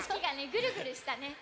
ぐるぐるしたね。